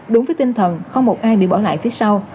đúng với tinh thần không một ai bị bỏ lại phía sau